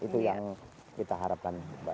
itu yang kita harapkan